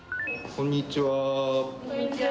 こんにちはー。